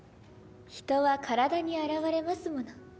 人は体に表れますもの。